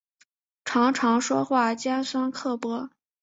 常常说话尖酸刻薄